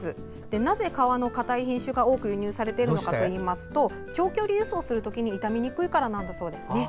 なぜ皮の硬い品種が多く輸入されているのかといいますと長距離輸送するときに傷みにくいからなんだそうです。